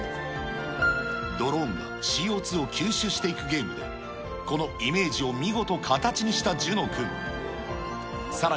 ドローンがＣＯ２を吸収していくゲームで、このイメージを見事形にした諄之君。